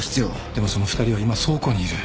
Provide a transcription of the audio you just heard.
でもその２人は今倉庫にいる。